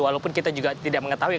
walaupun kita juga tidak mengetahui